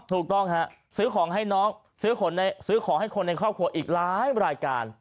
ถูกต้องฮะซื้อของให้น้องซื้อของให้คนในครอบครัวอีกหลายรายการ